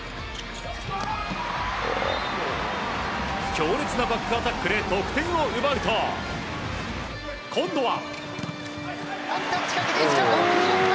強烈なバックアタックで得点を奪うと今度は。